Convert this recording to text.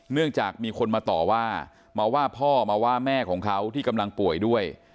เนื่องจากมีคนมาต่อว่ามาว่าพ่อมาว่าแม่ของเขาที่กำลังป่วยด้วย